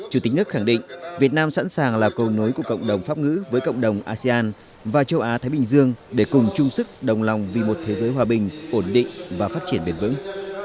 chủ tịch nước khẳng định việt nam sẵn sàng là cầu nối của cộng đồng pháp ngữ với cộng đồng asean và châu á thái bình dương để cùng chung sức đồng lòng vì một thế giới hòa bình ổn định và phát triển bền vững